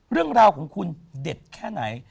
เรื่องราวของคุณเด็ดแค่ไหน